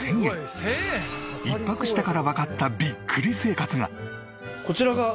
１泊したからわかったビックリ生活が！